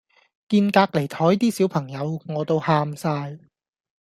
見隔離枱啲小朋友餓到喊哂